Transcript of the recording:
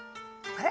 あれ？